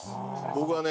僕はね